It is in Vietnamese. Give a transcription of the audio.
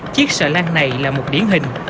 chiếc sà lan này là một điển hình